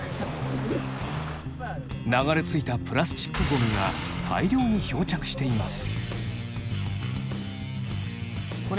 流れ着いたプラスチックゴミが大量に漂着しています。